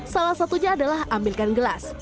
salah satunya adalah ambilkan gelas